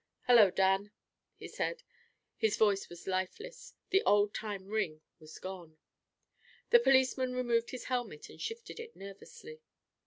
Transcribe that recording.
"Hello, Dan," he said. His voice was lifeless; the old time ring was gone. The policeman removed his helmet and shifted it nervously.